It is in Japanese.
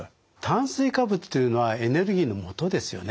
炭水化物というのはエネルギーのもとですよね。